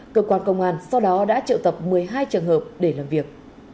cơ quan công an sau đó đã triệu tập một mươi hai trường hợp để làm việc